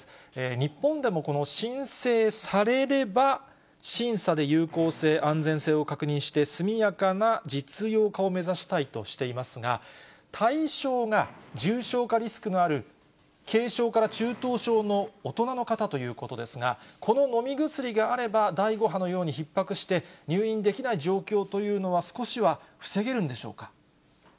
日本でもこの申請されれば、審査で有効性、安全性を確認して速やかな実用化を目指したいとしていますが、対象が重症化リスクのある軽症から中等症の大人の方ということですが、この飲み薬があれば、第５波のようにひっ迫して、入院できない状況というのは、少しは防げるんでしょうか。